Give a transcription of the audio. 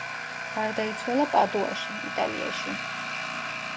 გარდაიცვალა პადუაში, იტალიაში.